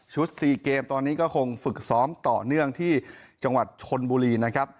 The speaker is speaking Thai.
๔เกมตอนนี้ก็คงฝึกซ้อมต่อเนื่องที่จังหวัดชนบุรีนะครับ